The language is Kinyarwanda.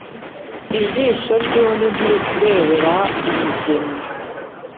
Ijisho ry’undi ntirikurebera umugeni.